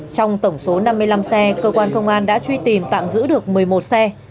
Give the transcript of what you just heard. trong tổng số năm mươi năm xe cơ quan công an đã truy tìm tạm giữ được một mươi một xe